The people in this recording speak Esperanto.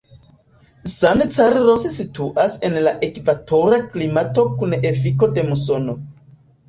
San Carlos situas en la ekvatora klimato kun efiko de musono.